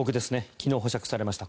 昨日、保釈されました。